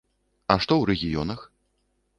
А што ў рэгіёнах?